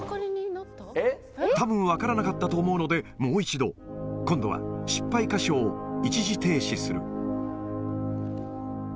たぶん分からなかったと思うので、もう一度。今度は失敗箇所を、一時停止する。